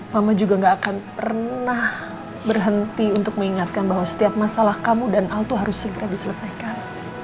mama juga gak akan pernah berhenti untuk mengingatkan bahwa setiap masalah kamu dan altu harus segera diselesaikan